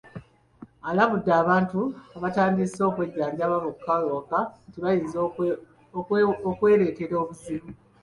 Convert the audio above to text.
Alabudde abantu abatandise okwejjanjaba bokka ewaka nti bayinza okwereetera obuzibu.